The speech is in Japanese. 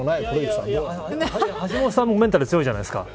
橋下さんもメンタル強いじゃないですか。